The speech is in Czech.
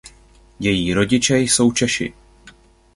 Její rodiče jsou Češi.